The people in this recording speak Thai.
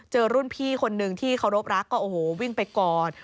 เจอรุ่นพี่คนนึงที่เคารพรักก็โอ้โหวิ่งไปกอด